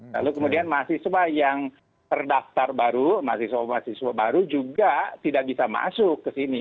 lalu kemudian mahasiswa yang terdaftar baru mahasiswa mahasiswa baru juga tidak bisa masuk ke sini